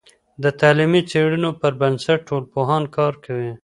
د تعلیمي څیړنو پر بنسټ ټولنپوهان کار کوي.